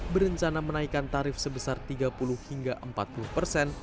berencana menaikkan tarif sebesar tiga puluh hingga empat puluh persen